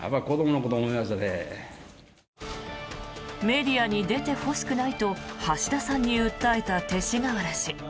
メディアに出てほしくないと橋田さんに訴えた勅使河原氏。